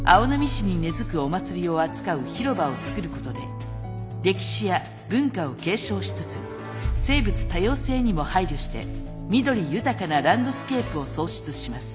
市に根づくお祭りを扱う広場を作ることで歴史や文化を継承しつつ生物多様性にも配慮して緑豊かなランドスケープを創出します。